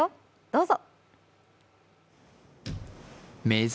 どうぞ。